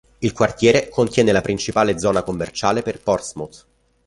Il quartiere contiene la principale zona commerciale per Portsmouth.